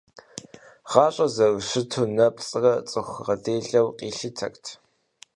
Гъащӏэр зэрыщыту нэпцӏрэ цӏыху гъэделэу къилъытэрт.